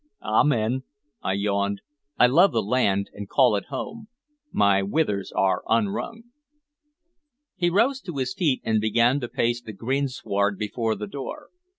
"Amen," I yawned. "I love the land, and call it home. My withers are unwrung." He rose to his feet, and began to pace the greensward before the door.